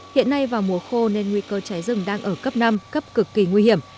hiện nay vào mùa khô nên nguy cơ cháy rừng đang ở cấp năm cấp cực kỳ nguy hiểm